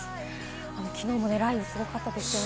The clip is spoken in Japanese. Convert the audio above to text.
きのうも雷雨、すごかったですよね。